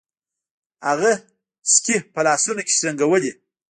هغه سکې په لاسونو کې شرنګولې.